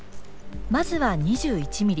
まずは２１ミリ。